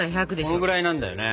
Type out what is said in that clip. このぐらいなんだよね。